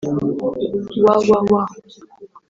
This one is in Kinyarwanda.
www